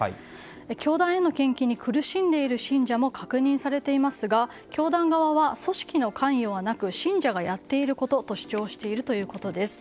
教団への献金に苦しんでいる信者も確認されていますが教団側は組織の関与はなく信者がやっていることと主張しているということです。